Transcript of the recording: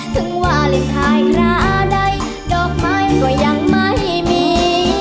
ถึงว่าลืมทายขระใดดอกไม้ตัวยังไม่มี